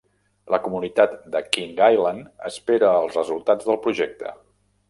La comunitat de King Island espera els resultats del projecte.